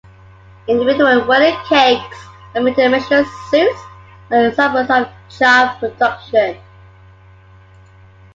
Individual wedding cakes and made-to-measure suits are examples of job production.